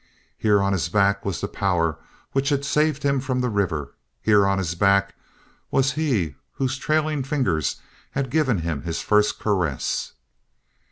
Here on his back was the power which had saved him from the river. Here on his back was he whose trailing fingers had given him his first caress.